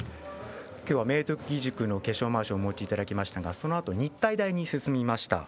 今日は明徳義塾の化粧まわしをお持ちいただきましたがそのあと日体大に進みました。